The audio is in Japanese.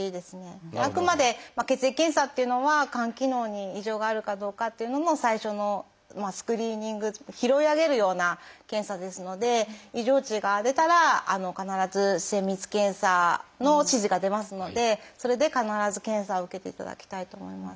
あくまで血液検査というのは肝機能に異常があるかどうかというのの最初のスクリーニング拾い上げるような検査ですので異常値が出たら必ず精密検査の指示が出ますのでそれで必ず検査を受けていただきたいと思います。